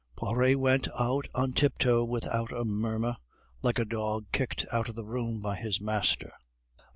Poiret went out on tiptoe without a murmur, like a dog kicked out of the room by his master.